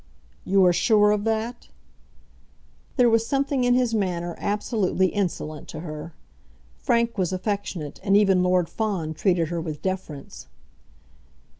"You are sure of that?" There was something in his manner absolutely insolent to her. Frank was affectionate, and even Lord Fawn treated her with deference.